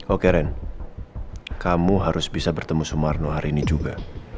oke ren kamu harus bisa bertemu sumarno hari ini juga